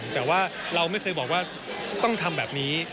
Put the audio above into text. แต่ว่าเราไม่เคยบอกว่าต้องทำแบบนี้